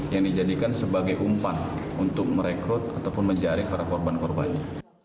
yang dijadikan sebagai umpan untuk merekrut ataupun menjaring para korban korbannya